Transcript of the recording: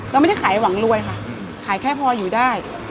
เราไม่ได้ขายหวังรวยค่ะขายแค่พออยู่ได้